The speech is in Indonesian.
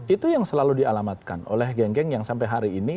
itu yang selalu dialamatkan oleh geng geng yang sampai hari ini